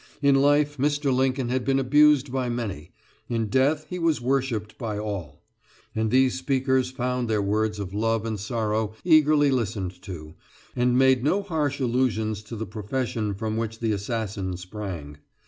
In life Mr. Lincoln had been abused by many in death he was worshipped by all; and these speakers found their words of love and sorrow eagerly listened to, and made no harsh allusions to the profession from which the assassin sprang.